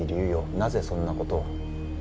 なぜそんなことを？